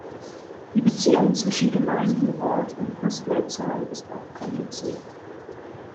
Die Beziehung zwischen Gemeinden, Ort und Postleitzahl ist oft kompliziert.